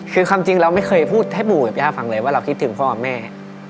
คือความจริงเราไม่เคยพูดให้ปู่กับย่าฟังเลยว่าเราคิดถึงพ่อกับแม่